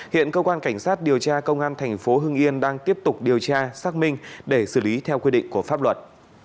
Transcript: hiện cơ quan cảnh sát điều tra công an thành phố hưng yên đang tiếp tục điều tra xác minh để xử lý theo quy định của pháp luật